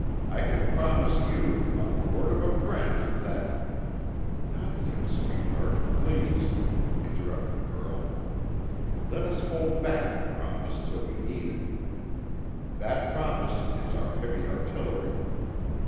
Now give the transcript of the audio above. I can promise you on the word of a Brent that " "Not yet, sweetheart please!" interrupted the girl, "Let us hold back the promise, till we need it. That promise is our heavy artillery.